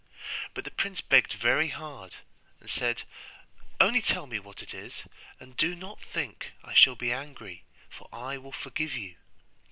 But the prince begged very hard, and said, 'Only tell me what it is, and do not think I shall be angry, for I will forgive you.